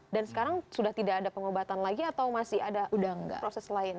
dan sekarang sudah tidak ada pengobatan lagi atau masih ada proses lain